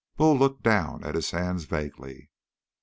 Bull looked down at his hands vaguely.